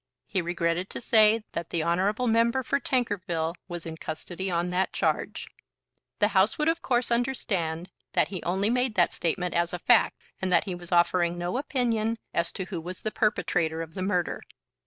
"He regretted to say that the honourable member for Tankerville was in custody on that charge. The House would of course understand that he only made that statement as a fact, and that he was offering no opinion as to who was the perpetrator of the murder.